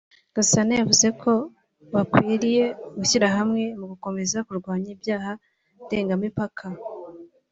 Gasana yavuze ko bakwiriye gushyirahamwe mu gukomeza kurwanya ibyaha ndengamipaka